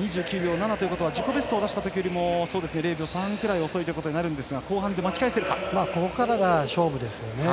２９秒７ということは自己ベストのときより０秒３くらい遅いことになるんですがここからが勝負ですね。